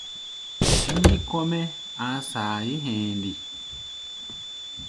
Bíí kɔ́-mɛ́ a̧a̧ saayé hɛ̧ɛ̧ nde?